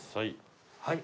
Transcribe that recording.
はい。